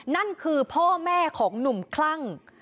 นั่นคือพ่อแม่ของหนุ่มคลั่ง